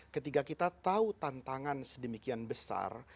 ketika kita tahu tantangan sedemikian besar